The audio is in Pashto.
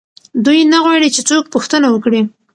دوی نه غواړي چې څوک پوښتنه وکړي.